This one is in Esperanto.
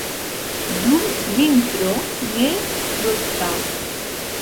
Dum vintro ne frostas.